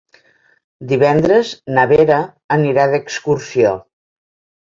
Divendres na Vera anirà d'excursió.